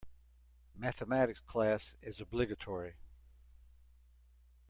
Mathematics class is obligatory.